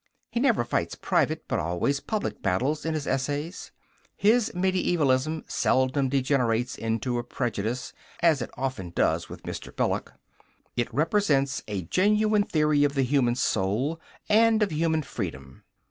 He never fights private, but always public, battles in his essays. His mediaevalism seldom degenerates into a prejudice, as it often does with Mr. Belloc. It represents a genuine theory of the human soul, and of human freedom.